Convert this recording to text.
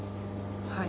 はい。